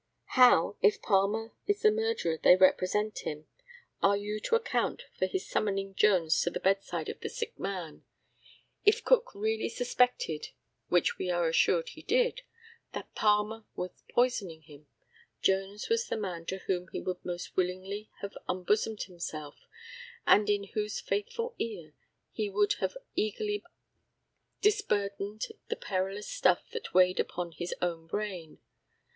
How, if Palmer is the murderer they represent him, are you to account for his summoning Jones to the bedside of the sick man? If Cook really suspected which we are assured he did that Palmer was poisoning him, Jones was the man to whom he would most willingly have unbosomed himself, and in whose faithful ear he would have most eagerly disburdened the perilous stuff that weighed upon his own brain.